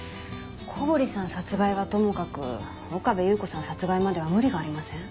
小堀さん殺害はともかく岡部祐子さん殺害までは無理がありません？